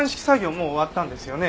もう終わったんですよね？